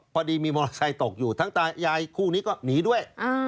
พอดีมีมอเตอร์ไซค์ตกอยู่ทั้งตายายคู่นี้ก็หนีด้วย